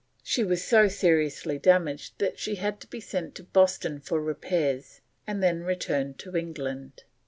She was so seriously damaged that she had to be sent to Boston for repairs and then returned to England.